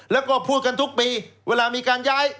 แล้วก็พูดกันทุกปีเวลามีการย้าย